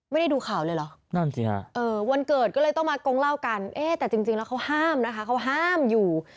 ไม่ได้ดูข่าวเลยเหรอนั่นสิฮะวันเกิดก็เลยต้องมากงเล่ากันเอ๊ะแต่จริงแล้วเขาห้ามนะคะเขาห้ามอยู่